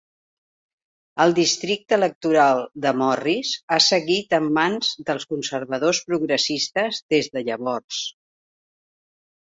El districte electoral de Morris ha seguit en mans dels conservadors progressistes des de llavors.